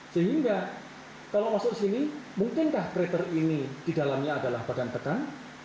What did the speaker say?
sehingga kalau masuk sini mungkinkah kriper ini di dalamnya adalah badan tekan